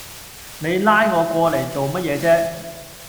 你拉我過嚟做咩嘢啫